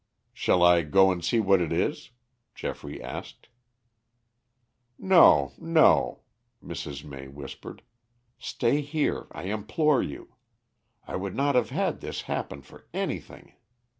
"Shall I go and see what it is?" Geoffrey asked. "No, no," Mrs. May whispered. "Stay here, I implore you. I would not have had this happen for anything.